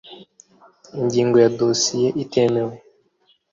Ingingo ya Dosiye itemewe